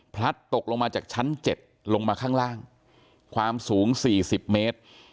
พลัดตกลงมาจากชั้น๗ลงมาข้างล่างความสูง๔๐เมตร